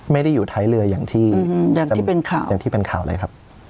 ไม่ได้อยู่ท้ายเรืออย่างที่เป็นข่าวเลยครับ